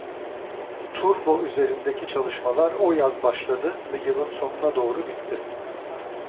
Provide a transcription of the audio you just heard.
"Turbo" üzerindeki çalışmalar o yaz başladı ve yılın sonuna doğru bitti.